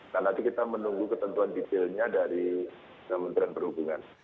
dan nanti kita menunggu ketentuan detailnya dari kementerian perhubungan